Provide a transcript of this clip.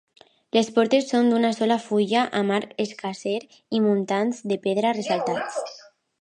Les portes són d'una sola fulla, amb arc escarser i muntants de pedra ressaltats.